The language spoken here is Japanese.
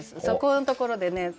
そこのところでね